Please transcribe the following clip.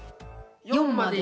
４まで。